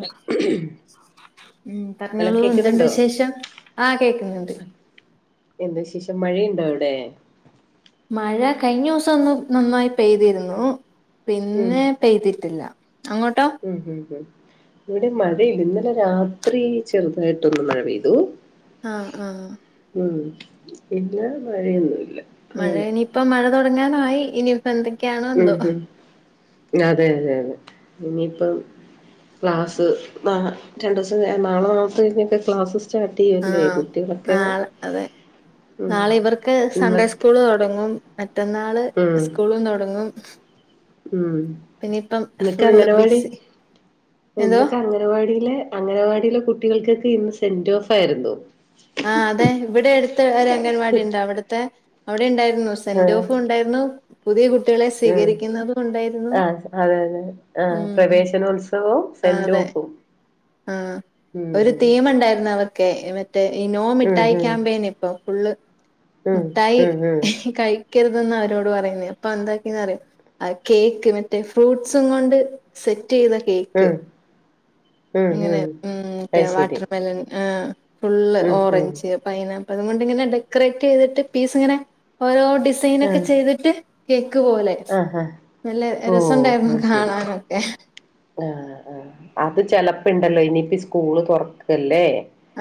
ഹൽ ഉം ഹലോ പറഞ്ഞോളൂ എന്ത്‌ണ്ട് കേക്കുന്നുണ്ടോ വിശേഷം? ആ കേക്കുന്നുണ്ട്. എന്ത്‌ വിശേഷം മഴയുണ്ടോ അവിടെ മഴ കഴിഞ്ഞ ദിവസം ഒന്ന് നന്നായി പെയ്തിരുന്നു ഉം പിന്നെ പെയ്തിട്ടില്ല അങ്ങോട്ടോ ഉം ഉം ഉം ഇവിടെ മഴയില്ല ഇന്നലെ രാത്രി ചെറുതായിട്ടൊന്ന് മഴ പെയ്തു ആ ആ ഉം പിന്നെ മഴഴൊന്നുല്ല മഴ ഇനിയിപ്പം മഴ തുട തുടങ്ങാനായി ഇനി ഉം ഉം അതെ അതെ അതെ ഇനിയിപ്പം ക്ലാസ്സ് നാ രണ്ടൂസം നാളെ നാളത്തെ കഴിഞ്ഞൊക്കെ ക്ലാസ്സ് ആ നാളെ അതെ ഉം നാളെ ഇവർക്ക് സൺഡേ ഇന്നത്തെ സ്കൂള് തുടങ്ങും മറ്റന്നാള് ഉം സ്കൂളും തൊടങ്ങും ഉം ഇന്നൊക്കെ അംഗനവാടി ബിസി എന്തോ ഇന്നൊക്കെ അംഗനവാടിയിലെ അംഗനവാടിയിലെ കുട്ടികൾക്കൊക്കെ ഇന്ന് സെന്റ് ഓഫായിരുന്നു ആ അതെ ഇവിടെ എടുത്ത് ഒരു അംഗൻവാടി ഉണ്ട് അവിടുത്തെ അവിടെ ഉണ്ടായി ന്നു ആഹ് സെന്റോഫും ഉണ്ടായിരുന്നു പുതിയ കു- കുട്ടികളെ ഉം സ്വീകരിക്കുന്നതും ഉണ്ടായിരുന്നു. ആഹ് അതെ അതെ ആഹ് ഉം പ്രവേശനോത്സവവും ആ സെന്റ് അതെ ഓഫും ആ ഉം ഒരു തീം ഉണ്ടായിരുന്നു അവ കേെ എ [unintelligible] ഈ നോ ഉം മിഠായി ഉം ക്യാമ്പയിൻ ഇപ്പൊ ഫുള്ള് ഉം മിട്ടായി ഉം ഉം ഹി കഴി- ക്കരുതെന്ന അവരോട് പറയുന്നെ അപ്പൊ എന്താക്കിന്ന് അറിയോ കേക്ക് മറ്റേ ഫ്രൂട്ട്സും കൊണ്ട് സെറ്റ് ചെയ്ത കേക്ക് ഉം ഉം ഇങ്ങനെ ഉം മറ്റേ അത് ശരി വാട്ടർമെലൺ ആഹ് ഫുള്ള് ഉം ഉം ഓറഞ്ച് പൈനാ- അതുകൊണ്ട് ഇങ്ങനെ ഡെക്കറേറ്റ് ചെയ്തിട്ട് പീസ് ഇങ്ങനെ ഓരോ ഡിസൈനോക്കെ ആഹ് ചെയ്തിട്ട് [unintelligible] [unintelligible] പോലെ ആഹ് ആഹ് നല്ല ഓഹ് രസംണ്ടായിരുന്നു അത് ശരി കാണാനൊക്കെ ആഹ് ആ അത് ചെലപ്പുണ്ടല്ലോ ഇനിയിപ്പ സ്കൂള് തുറക്കല്ലേ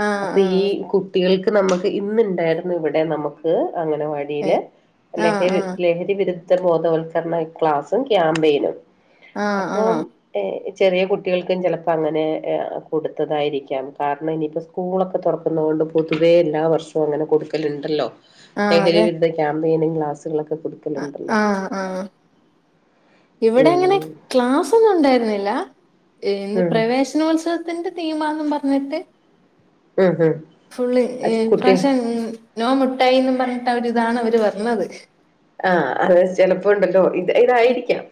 ആഹ് അപ്പൊ ഈ ആഹ് കുട്ടികൾക്ക് നമുക്ക് ഇന്നുണ്ടായിരുന്നു ഇവിടെ നമുക്ക് അംഗനവാടിയില് ഏഹ് ആഹ് ലഹരി ആഹ് ലഹരി വിരുദ്ധ ഇത്തർബോധവൽക്കരണ ക്ലാസും ക്യാമ്പയിനും ആഹ് അപ്പം ആഹ് ഏഹ് ചെറിയ കുട്ടികൾക്കും ചിലപ്പോം അങ്ങനെ കൊടുത്തതായിരിക്കാം കാരണം ഇനിയിപ്പോൾ സ്കൂളൊക്കെ തുറക്കുന്ന കൊണ്ട് പൊതുവേ എല്ലാ വർഷവും അങ്ങനെ കൊടുക്കലുണ്ടല്ലോ ആഹ് അതെ ലഹരിവിരുദ്ധ ക്യാമ്പയിന് ക്ലാസ്സുകൾ കൊടുക്കലുണ്ടല്ലോ ആഹ് ആഹ് ഇവിടെ ഉം അങ്ങനെ ക്ലാസൊന്നും ഉണ്ടായിരുന്നില്ല ഇന്ന് ഉം പ്രവേശനോത്സവത്തിന്റെ തീമാന്നും പറഞ്ഞിട്ട് ഉം ഉം ഫു ളി എ കുട്ടിക [unintelligible] മുട്ടായിന്ന് പറഞ്ഞിട്ട് അവരിതാണ് അവര് വരണത് ആ അത് ചെലപ്പോണ്ടല്ലോ ഇത് ഇതായിരിക്കാം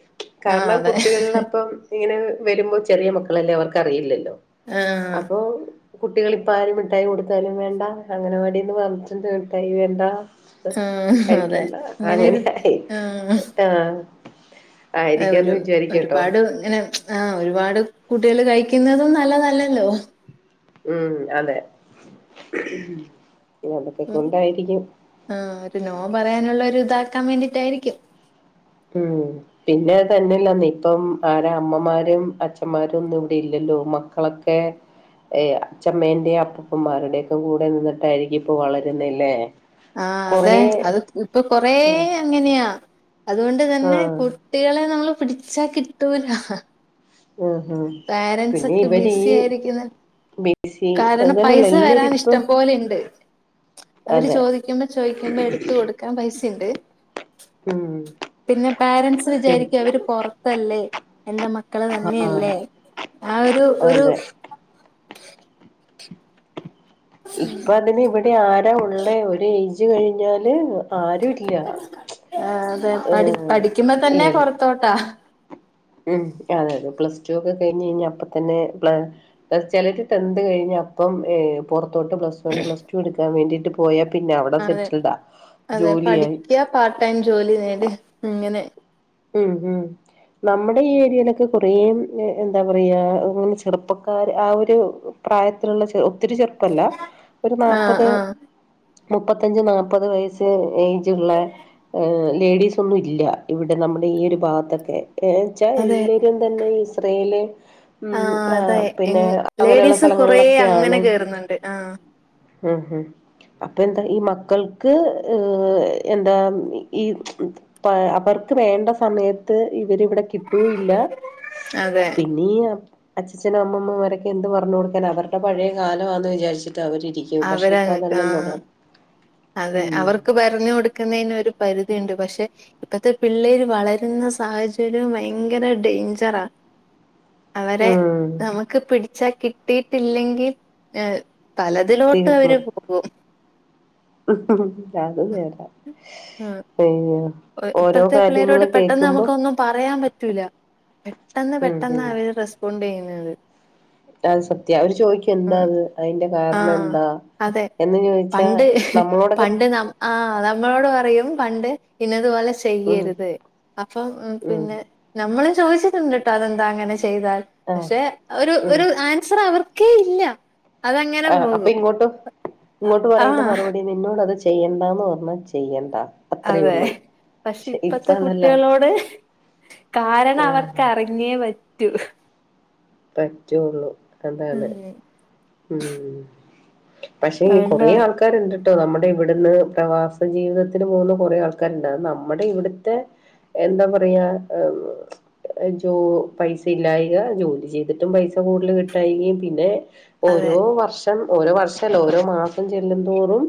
ആഹ് കാരണം അതെ കുട്ടികളിലപ്പം ഇങ്ങനെ വരുമ്പോൾ ചെറിയ മക്കളല്ലേ അവർക്ക് അറിയില്ലല്ലോ ആഹ് അപ്പൊ കുട്ടികള് ഇപ്പ ആരും മിഠായി കൊടുത്താലും വേണ്ട അങ്ങനവാടിന്ന് പറഞ്ഞിടുണ്ട് മിഠായി വേണ്ട ആ അതെ കഴിക്കണ്ട ഇങ്ങനെരു അങ്ങനെയായി ആ അ ഒരു ഒരുപാട് ഇങ്ങനെ ആ ഒരുപാട് കുട്ടികള് കഴിക്കുന്നതും നല്ല തല്ലല്ലോ ഉം അതെ അതൊക്കെ ഉം കൊണ്ടായിരിക്കും ആ ഒരു നോ പറയാനുള്ള ഇത് ആ കമന്റ്റിടായിരിക്കും ഉം പിന്നെ തന്നെയല്ല ഇപ്പം ആര അമ്മമാരും അച്ഛന്മാരും ഒന്നും ഇവിടെ ഇല്ലല്ലോ മക്കളൊക്കെ അച്ഛമ്മേന്റെയും അപ്പപ്പമാരുടെൊക്കെ കൂടെ നിന്നിട്ടായിരിക്കും ഇപ്പൊ വളരുന്നില്ലേ ആ അതെ അത് ഇപ്പൊ കൊറ അങ്ങനെയാ അതുകൊണ്ട് തന്നെ ആഹ് കുട്ടികളെ നമ്മള് പിടിച്ചാ കിട്ടൂല ആഹ് പാരെന്റ്സ് പിന്നെ ഒക്കെ ഇവര് ബിസി ഈ ആയിരിക്കുന്ന ബിസി കാരണം അങ്ങനെയല്ല പൈസ എല്ലാരും വെരാൻ ഇപ്പം ഇഷ്ടം പോലെ ഇണ്ട് അവര് അതെ ചോദിക്കുമ്പോ ചോയിക്കുമ്പോ എട്ത്ത് കൊട്ക്കാൻ പൈസ ഇണ്ട് ഉം പിന്നെ പേരെൻസ് പി വിചാരിക്കും അവര് പൊറത്ത് അല്ലെ? എന്റെ മക്കൾ തന്നെ ആഹ് അല്ലെ? ആ ഒരു ഒരു അതെ ഇപ്പ അതിന് ഇവിടെ ആരാ ഉള്ളെ ഒര് എയ് ജ് കഴിഞ്ഞാൽ ആഹ് അതെ പഠി ഏഹ് പഠിക്കുമ്പോ തെന്നെ എൽ പൊർത്തോട്ടാ ഉം അതെ അതെ പ്ലസ് ടു ഒക്കെ കഴിഞ്ഞ് കഴിഞ്ഞാ അപ്പ തെന്നെ പ്ല പെലെരൊക്കെ ടെൻത്ത് കഴഞ്ഞാ അപ്പം പൊർ തൊട്ട് പ്ലസ് വൺ പ്ലസ് ടു എട്ക്കാൻ വേണ്ടി പോയ അതെ അതെ പഠിക്കാ പാർട്ട് ടൈം ജോലി നേടി ഇങ്ങനെ ഉം ഉം നമ്മുടെ ഈ ഏരിയയിലൊക്കെ കുറേം എന്താ പറയാ ഇങ്ങനെ ചെറുപ്പക്കാർ ആ ഒര് പ്രായത്തിലുള്ള ചെറു ഒത്തിരി ചെറുപ്പ അല്ല ഒരു ആഹ് നാപ്പെത് ആഹ് മുപ്പത്തഞ്ച് നാല്പ്പത് വയസ്സ് ഏജു ഉള്ള ലേഡീസ് ഒന്നും ഇല്ല ഇവിടെ നമ്മുടെ ഈ ഒരു ഭാഗത്തൊക്കെ ഏച്ചാ അതെ എല്ലരും തന്നെ ഇസ്രയേല് ഉം ആഹ് ആ അതെ പിന്നെ എങ് അങ്ങനെയുള്ള ലേഡീസ് കൊറേ അങ്ങനെ സ്ഥലങ്ങളിലൊക്കെയാണ് കേറുന്നുണ്ട് ആഹ് ഉം ഉം അപ്പൊ എന്താണ് ഈ മക്കൾക്ക് ഏ എന്താ ഈ പ്പ് അവർക്ക് വേണ്ട സമയെത്ത് ഇവെര് ഇവ്ടെ കിട്ടുയില്ല അതെ പിന്നി ഈ അച്ചച്ഛനും അമ്മമ്മും ഇവരൊക്കെ എന്ത് പറഞ് കൊട്ക്കെലാ അവെര്ടെ പഴയ കാലവാന്ന് വിചാരിട്ട് അവെര് ഇ പക്ഷെ ഇപ്പ അവരങ്ങക്ക് അതല്ല ലോക ആഹ് അതെ അവർക്ക് പറരഞ്ഞു കൊടുക്കുന്നതിന് ഒരു പരിധി ഉണ്ട് പക്ഷെ ഇപ്പത്തെ പിള്ളേര് വളരുന്ന സാഹചര്യം ഭയങ്കര ഡേയ്ഞ്ചറ അവരെ ഉം നമുക്ക് പിടിച്ച കിട്ടിയിട്ടില്ലെങ്കിൽ പലതിലോട്ട് തീർന്നു അവര് പോകും അത് നേര ആ ഓരോ ഇപ്പത്തെ കാര്യങ്ങള് പിള്ളേരോട് പെട്ടെന്ന് കേക്കുമ്പോ നമുക്കൊന്നും പറയാൻ പറ്റൂല പെട്ടെന്ന് ഉം പെട്ടെന്ന് ഉം അവര് റെസ്പോണ്ട് ചെയ്യും അതേ അത് സത്യ ഒരു ചോദിക്ക എന്താ അത് അതിന്റെ കാരണം ആഹ് എന്താ അതെ എന്ന് ചോദിച്ചാ പണ്ട് നമ്മളോടൊക്കെ പണ്ട് നം ആ നമ്മളോട് പറയും പണ്ട് പിന്നെഇന്നതുപോലെ ഉം ചെയ്യരുത് അപ്പ ഉം പിന്നെ നമ്മള് ചോദിച്ചിട്ടുട്ടോ അതന്ത അങ്ങനെ ചെ ചെയ്താൽ ആഹ് പക്ഷെ ഒരു ഉം ഒരു ആൻസർ അവർ ഒക്കെ ഇല്ല അതങ്ങനെ ആ അപ്പൊ പോകും ഇങ്ങോട്ട് അ- ഇങ്ങോട്ട് ആ പറയുന്ന മറുപടി നിന്നോട് അത് ചെ ചെയ്യേണ്ടാന്ന് പറഞ്ഞാൽ ചെയ്യണ്ട അത്രേ അതെ ഉള്ളൂ പക്ഷെ ഇപ്പ ഇപ്പത്തെ അതല്ല കുട്ടികളോട് കാരണം ആഹ് അവർക്ക് അറിഞ്ഞേ പറ്റൂ പറ്റുള്ളൂ അതാണ് ഉം ഉം പക്ഷേ കൊറ അതുകൊണ്ട് ആൾക്കാരുണ്ട് നമ്മുടെ ഇവിടുന്ന് പ്രവാസ ജീവിതത്തിന് പോകുന്ന കൊറെേ ആൾക്കാരുണ്ടാവ നമ്മുടെ ഇവിടുത്തെ എന്താ പറയാ ജോ പൈസ ഇല്ലായക ജോലി ചെയ്തിട്ടും പൈസ കൂടുതൽ കിട്ടായികയും പിന്നെ അതെ ഓരോ വർഷം ഓരോ വർഷല്ല ഓരോ മാസം ചെല്ലുംതോറും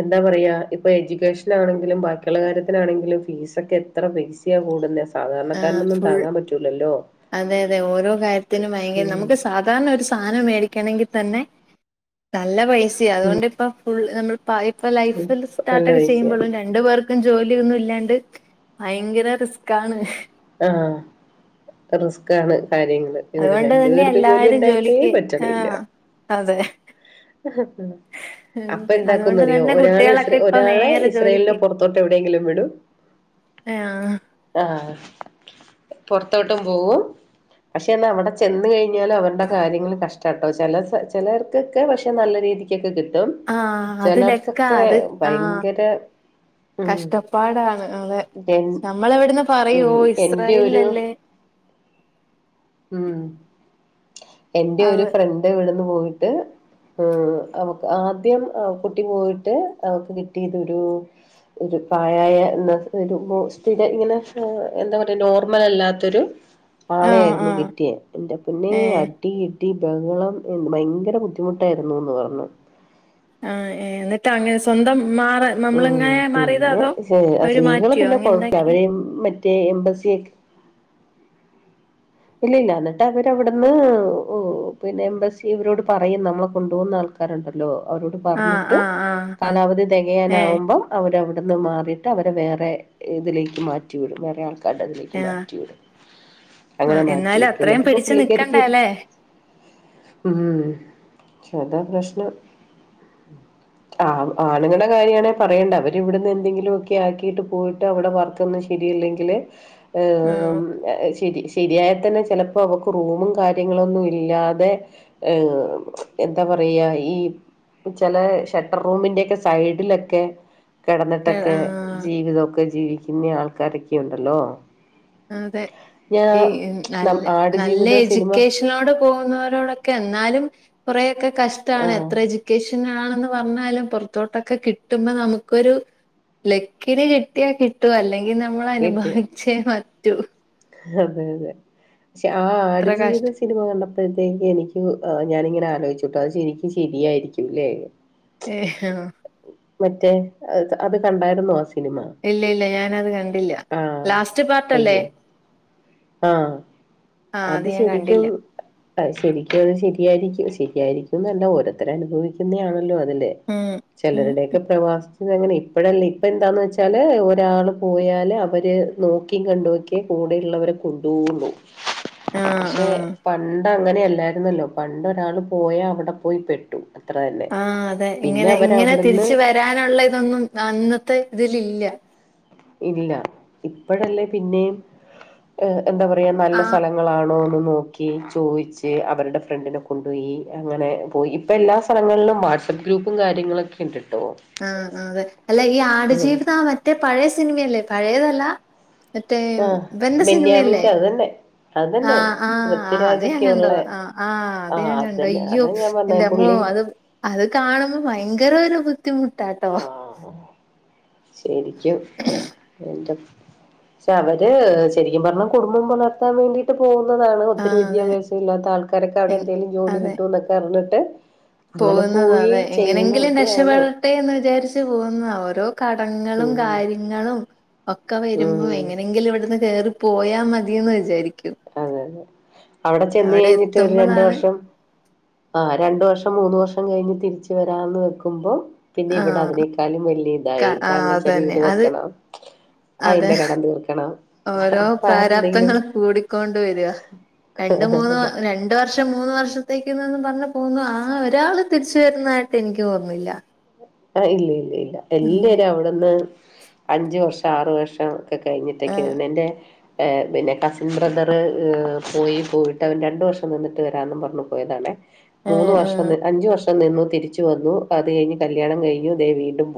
എന്താ പറയാ ഇപ്പൊ എഡ്യൂക്കേഷൻ ആണെങ്കിലും ബാക്കിയുള്ള കാര്യത്തിനാണെങ്കിലും ഫീസ ഒക്കെ എത്ര പൈസയാ കൂടുന്നത് ആ ഫുൾ അതെ അതെ ഓരോ കാര്യത്തിനും ഭയങ്കര ഉം നമുക്ക് സാധാരണ ഒരു സാധനം മേടി ങ്കിൽ തന്നെ നല്ല പൈ സ അതുകൊണ്ട് ഇപ്പം ഫുൾ നമ്മൾ ഇപ്പ ആ ലൈഫിൽ നല്ല സ്റ്റാർട്ടൊക്കെ പൈസയാ ചെയ്യുമ്പോഴും രണ്ടു പേർക്കും ജോലിയൊന്നും ഇല്ലാണ്ട് ഭയങ്കര റിസ്ക്കാണ് ആഹ് റിസ്കാണ് കാര്യങ്ങള് ഇവിടെ അതുകൊണ്ട് രണ്ടു തന്നെ പേർക്ക് ജോലി എല്ലാരും ഉണ്ടായിട്ടേ ജോലിക്ക് പറ്റ്ണില്ല ആഹ് അതെ അപ്പൊ അതുകൊണ്ട് എന്താക്കുന്നറിയോ തന്നെ ഒരാള് ഇസ്ര കുട്ടികളൊക്കെ ഇപ്പൊ ഒരാളെ നേരെ ഇസ്രയേലിന്റെ ജോലിക്ക് പുറത്തോട്ട് എവിടെയെങ്കിലും വിടും ആഹ് ആ പൊറത്തോട്ടും പോവും പഷേ എന്നാ അവിടെ ചെന്ന് കഴിഞ്ഞാല് അവരുടെ കാര്യങ്ങള് കഷ്ട്ടാട്ടോ ചില ചിലർക്ക് ക്ക പക്ഷെ നല്ല രീതിക്കൊക്കെ കിട്ടും ആഹ് അത് ലെക്കാ ചിലർക്കൊക്കെ അത് ആ ഭയങ്കര ഉം കഷ്ടപ്പാടാണ് അതെ എൻ നമ്മൾ ഇവിട് ന്ന് പറയും ഉം എന്റെ ഒരു ഇസ്രയേലല്ലേ ഉം എന്റെ ഒരു ഫ്രണ്ട് ഇവിടുന്ന് പോയി ത് ആ അവക് ആദ്യം ആ കുട്ടി പോയിട്ട് അവക്ക് കിട്ടിയതൊരൂ ഒരു പ്രായായ നസ് ഒരു ബോ സ്ഥിര ഇങ്ങനെ ഏ എന്താ പറയാ നോർമലല്ലാത്തൊരു ആളെ ആഹ് ആയിരുന്നു ആഹ് കിട്ടിയെ എന്റെ പൊന്നേ ഏഹ് അടീം ഈ ബഹളം എന് ഭയങ്കര ബുദ്ധി ബുദ്ധിമുട്ടായിരുന്നുന്ന് പറഞ്ഞു ആ ഏ എന്ന്ട്ട് അങ്ങനെ സ്വന്തം മാറ ഉം നമ്മളങ്ങനെ മാറിയതോ പിന്നെ അതോ ചെ അവര് സ്ത്രീകള് മാറ്റിയോ പിന്നെ അങ്ങനെ കൊഴപ്പ എന്താക്കി അവരെ മറ്റേ റ്റേ എമ്പസി ക് ഇല്ല ഇല്ല എന്നിട്ട് അവരവിടുന്ന് ഒ പിന്നെ എമ്പസി അവരോട് പറയും നമ്മളെ കൊണ്ടുപോകുന്ന ആൾക്കാരുണ്ടല്ലോ അവരോട് ആഹ് പറഞ്ഞിട്ട് ആഹ് ആഹ് ആഹ് കാലാവധി ഏഹ് തികയാനാവുമ്പോ അവരവിട് ന്ന് മാറിയിട്ട് അവരെ വേറെ ഇതിലേക്ക് മാറ്റിവിടും വേറെ ആൾക്കാരെ കണ്ടതിലേക്ക് ആഹ് മാറ്റി വിടും അങ്ങനെ ആഹ് മാറ്റി എന്നാലും വിട്ടു അത്രയും ഇന്നിട്ട് ഇപ്പൊ പിടിച്ചു പുള്ളിക്കാരിക്കിട്ടി നിക്കണ്ടേല്ലേ അതാ പ്രശ്നം. ആ ആണുങ്ങളുടെ കാര്യണേ പറയണ്ട അവര് ഇവിടുന്നെന്തെങ്കിലൊക്കെ ആക്കീട്ട് പോയിട്ട് അവിടെ വർക്കൊന്നും ശരിയല്ലെങ്കില് ആ ആഹ് എ ശരി ശ ശരിയായതന്നെ ചിലപ്പോ അവക്ക് റൂമും കാര്യങ്ങളൊന്നും ഇല്ലാതെ ഏ എന്താ പറയാ ഈ ചെല ഷട്ടർ റൂമിന്റെക്കെ സൈഡിലൊക്കെ കേ കെടന്ന്ട്ടൊക്കെ ആഹ് ജീവിതൊക്കെ ജീവി ഇനി ആൾക്കാരൊക്കെ ഉണ്ടല്ലോ? അതെ ഞാൻ ഈ നല്ല നം- നല്ല ആടുജീവിതം സിനിമ എജ്യൂക്കേഷനോടെ പോകുന്നവരോടൊക്കെ എന്നാലും കൊറെയൊക്കെ കഷ്ട്ടാണ് ആഹ് എത്ര എജുക്കേഷനാണെ ന്ന് വന്നാലും പുറത്തോട്ടൊക്കെ കിട്ടുമ്പോ നമുക്കൊരു ലക്കിന് കിട്ടിയാ കിട്ടും അല്ലെ [unintelligible] കേട്ട് നമ്മളനുഭവിച്ചേ മതി റ്റൂ അതെ അതെ പക്ഷെ ആ ഇത്ര കഷ്ട ആടുജീവിത സിനിമ കണ്ടപ്പോഴത്തേക്ക് എനിക്ക് ഞാനിങ്ങനെ ആലോ ചിട്ട അത് ശരിക്കും ശരിയായിരിക്കുംല്ലേ ഏ മറ്റേ അത് കണ്ടായിരുന്നു ആ സിനിമ ഇല്ല ഇല്ല ഞാനത് കണ്ടില്ല ലാസ്റ്റ് പാർട്ടല്ലേ ആ ആഹ് അത് ഞാൻ ശരിക്കും കണ്ടില്ല അ ശരിക്കും അത് ശരിയായിരിക്കും ശരിയായിരിക്കും ന്നല്ല ഓരോത്തര് അനുഭവിക്കുന്നെ ആണല്ലോ അ ഉം ഉം ചിലരുടെയൊക്കെ പ്രവാസം. പിന്ന അങ്ങനെ ഇപ്പഴല്ലേ ഇപ്പ എന്താന്ന് വെച്ചാല് ഒരാള് പോയാല് അവര് നോക്കിം കണ്ടും ഒക്കെ കൂടെയ്ള്ളവരെ കൊണ്ടോവോള്ളൂ ആഹ് പക്ഷെ ആഹ് പണ്ടങ്ങനെയൽ യിരുന്നല്ലോ പണ്ട ഒരാള് പോയാ അവിടെ പോയി പെട്ടു അത്ര തന്നെ ആ അതെ പിന്നെ ഇങ്ങനെ ഇങ്ങനെ അവരവിടുന്ന് തിരിച്ച് വരാനുള്ള ഇതൊന്നും അന്നത്തെ ഇതി ലില്ല ഇല്ല ഇപ്പഴല്ലേ പിന്നെയും ഏ എന്താ പറയാ നല്ല ആഹ് സ്ഥലങ്ങളാണോന്നും നോക്കി ചോയ്ച്ച് അവര്ടെ ഫ്രണ്ടിന്റെ പ്പം പോയി അങ്ങനെ പോയി ഇപ്പ എല്ലാ സ്ഥലങ്ങളിലും വാട്സആപ്പ് ഗ്രൂപ്പും കാര്യങ്ങളൊക്കെ ഇണ്ട് ആ അതെ അല്ല ഈ ആ ആട്ജീവിത ആ മറ്റേ പയേ സിനിമയല്ലേ പഴയതല്ല മറ്റേ ആ ഇവന്റെ സിനിമയല്ലേ ബെന്യാമിന്റെ അതന്നെ ആ അതന്നെ ആ ആ അത് ഞാൻ പൃഥ്വിരാജൊക്കെ ഉള്ള കണ്ടതാ ആ ആ അത ആ ഞാൻ കണ്ട അതന്നെ അയ്യോ അതാ ഞാൻ പറഞ്ഞ എന്റെ അമ്മോ പുള്ളി അത് അത് കാണുമ്പോ ഭയങ്കരരു [inaudible] ആ ശരി ക്കും പക്ഷെ അവര് ശരിക്കും പറഞ്ഞ കുടുംബം പുലർത്താൻ വേണ്ടീട്ട് പോ ന്നതാണ് ഒത്തിരി ആഹ് അതെ വിദ്യഭ്യാസം ഇല്ലാത്ത ആൾക്കാരൊക്കെ അവിടെ എന്തേങ്കി ജോലി കിട്ടോന് ട്ട പോകുന്നത അതെ എങ്ങനെയെങ്കിലും രക്ഷപെടട്ടെ എന്ന് വിചാരി ച്ച് പോകുന്ന ഓരോ കടങ്ങളും ഉം കാര്യങ്ങളും ഒക്കെ ഉം വരുമ്പോ എങ്ങനെങ്കിലും ഇവിട്ന്ന് കേറി പോയാ മതിയെന്ന് വിചാരി അതെ അതെ അവിട ചെന്ന് അവിടെ കഴിഞ്ഞിട്ട് ഒര് രണ്ട് എത്തുമ്പളാണ് വർഷം ആഹ് രണ്ട് വർഷം മൂന്ന് വർഷം കഴിഞ്ഞ് തിരി ച്ച് വെരാന്ന് വെക്കുമ്പോ പിന്നെ ഇവിട ആഹ് അതിനേക്കാലും വല്യ ക ഇതായി ആഹ് കാരണംച്ചാ അതന്നെ വീട് അത് വെക്കണം അതെ അതിന്റെ കടം തീർക്കണം ഓരോ അപ്പൊ എന്തെങ്കിലും പ്രാരാപ്തങ്ങളും കൂടിക്കൊ ണ്ട് വെര്യാ രണ്ട് മൂന്ന് വ രണ്ട് വർഷം മൂന്ന് വർഷത്തേ തീർന്നെന്നും പറഞ്ഞ് പോന്നു ആ ഒരാള് തിരിച്ചു വരുന്നായിട്ട് എനിക്ക് തോന്ന്ന്നില്ല ആ ഇല്ല ഇല്ല ഇല്ല എല്ലരും അവ്ട്ന്ന് അഞ്ച് വർഷ ആറ് വർഷം ക്കെ കഴിഞ്ഞിട്ടെക്കെ ആഹ് വരുന്നെ എന്റെ ഏഹ് പിന്നെ കസിൻ ബ്രദറ് പോയി പോയിട്ട് അവൻ രണ്ട് വർഷം നിന്നിട്ട് വരാന്നും പറഞ്ഞ് പോയതാണെ മൂന്ന് ഏഹ് ഏഹ് വർഷംന്ന് അഞ്ച് വർഷ ട നിന്നു തിരിച്ചു വന്നു അത് കഴിഞ്ഞിട്ട് കല്യാണം കയിഞ്ഞു ദേ വീണ്ടും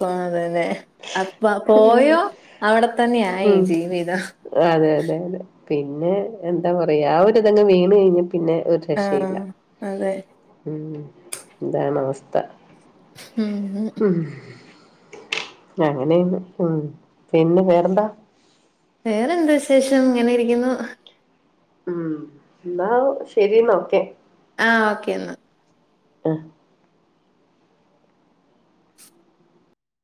പാ അതെ അതെ അപ്പ പോയോ അവടത്തന്നെയായി ഉം ജീവിതം അതെ അതെ അതെ പിന്നെ എന്താ പറയ്യാ ആ ഒരിതങ്ങ് വീണ് കഴിഞ്ഞ പിന്നെ ഒരു രക്ഷയില്ല ആഹ് അതെ ഉം ഇതാണവസ്ഥ ഉം അങ്ങനേണ് ഉം പിന്നെ വേറെന്താ വേറെന്ത് വിശേഷം ഇങ്ങനെ ഇരിക്ന്നു ഉം ന്നാ ശെരിന്നാ ഓക്കേ ആഹ് ഓക്കേ എന്നാ അഹ്